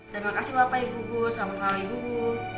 terima kasih bapak ibu guru selamat hari guru